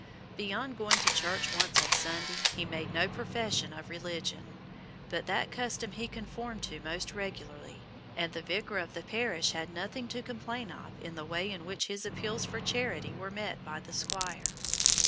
Beyond going to church once on Sunday he made no profession of religion, but that custom he conformed to most regularly, and the vicar of the parish had nothing to complain of in the way in which his appeals for charity were met by the squire.